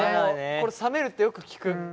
これ冷めるってよく聞く。